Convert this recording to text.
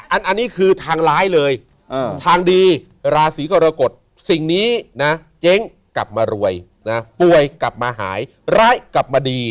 อันนี้คือทางร้ายเลยทางดีราศีกรกฎสิ่งนี้นะเจ๊งกลับมารวยนะป่วยกลับมาหายร้ายกลับมาดี